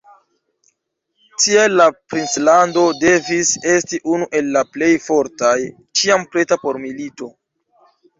Tial la princlando devis esti unu el la plej fortaj, ĉiam preta por milito.